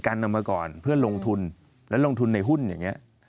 นำมาก่อนเพื่อลงทุนและลงทุนในหุ้นอย่างนี้